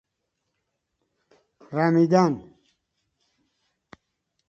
رمیدن